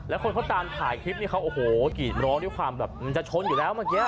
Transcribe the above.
แล้วคนเขาตามถ่ายคลิปนี้เขาโอ้โหกรีดร้องด้วยความแบบมันจะชนอยู่แล้วเมื่อกี้